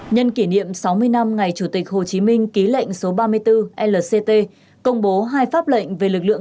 nhân kỷ niệm sáu mươi năm ngày chủ tịch hồ chí minh ký lệnh số ba mươi bốn lct công bố hai pháp lệnh về lực lượng